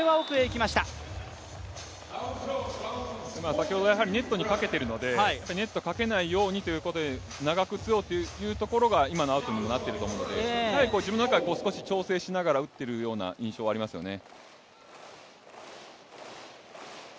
先ほどネットにかけているのでネットかけないようにということで長く打とうというところが今のアウトにもなっていると思うので自分の中で調整しながら打っている印象はありますよね。